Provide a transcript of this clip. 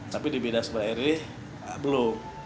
tapi di bidang sumber air ini belum